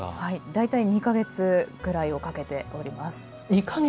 大体、２か月ぐらいをかけております。